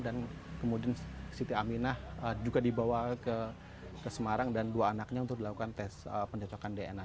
dan kemudian siti aminah juga dibawa ke semarang dan dua anaknya untuk dilakukan tes pencocokan dna